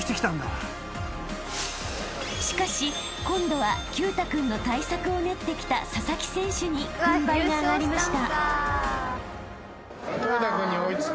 ［しかし今度は毬太君の対策を練ってきた佐々木選手に軍配が上がりました］